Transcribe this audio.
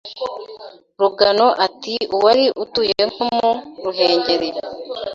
Rugano ati uwari utuye nko mu Ruhengeri